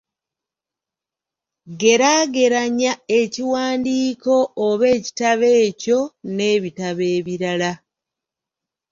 Geeraageranya ekiwandiiko oba ekitabo ekyo n'ebitabo ebirala.